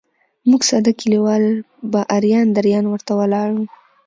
موږ ساده کلیوال به اریان دریان ورته ولاړ وو.